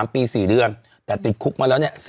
๓ปี๔เดือนแต่ติดคุกมาแล้วเนี่ย